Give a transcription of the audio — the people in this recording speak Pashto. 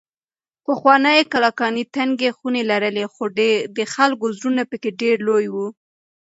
پخوانۍ کلاګانې تنګې خونې لرلې خو د خلکو زړونه پکې ډېر لوی وو.